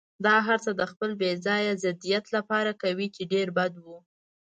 دا هرڅه د خپل بې ځایه ضدیت لپاره کوي، چې ډېر بد و.